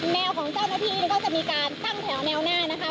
แนวของเจ้าหน้าที่ก็จะมีการตั้งแถวแนวหน้านะคะ